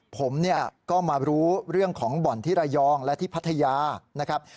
ผมเนี่ยก็มารู้เรื่องของบ่อนที่ระยองและที่พัทยานะครับ